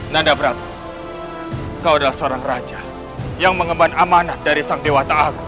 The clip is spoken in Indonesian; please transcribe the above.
nada berat kau adalah seorang raja yang mengembang amanah dari sang dewa